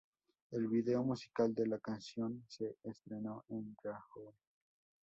El video musical de la canción se estrenó en Yahoo!